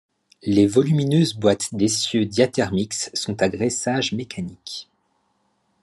Les volumineuses boites d'essieux Diathermix sont à graissage mécanique.